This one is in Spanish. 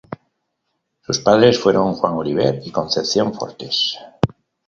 Sus padres fueron Juan Oliver y Concepción Fortis.